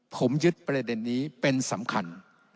ผมยึดประเด็นนี้เป็นสำคัญ